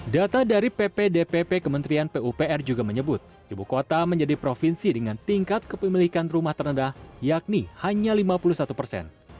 data dari ppdpp kementerian pupr juga menyebut ibu kota menjadi provinsi dengan tingkat kepemilikan rumah terendah yakni hanya lima puluh satu persen